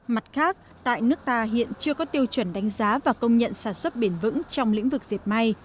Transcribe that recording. mặt khác tại nước ta hiện chưa có tiêu chuẩn đánh giá và công nhận sản xuất bền vững trong lĩnh vực dẹp may